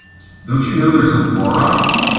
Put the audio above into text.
Don't you know there's a war on?